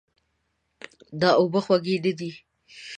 دا اوبه خوږې نه دي.